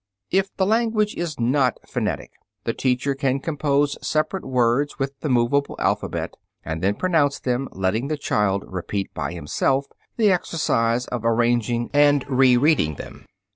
If the language is not phonetic, the teacher can compose separate words with the movable alphabet, and then pronounce them, letting the child repeat by himself the exercise of arranging and rereading them.